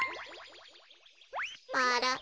あら？